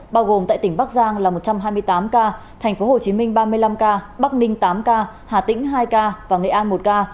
bao gồm tại tỉnh bắc giang là một trăm hai mươi tám ca thành phố hồ chí minh ba mươi năm ca bắc ninh tám ca hà tĩnh hai ca và nghệ an một ca